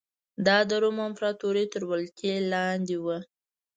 دا د روم امپراتورۍ تر ولکې لاندې و